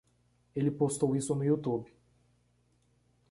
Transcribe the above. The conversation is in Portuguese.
Ele postou isso no YouTube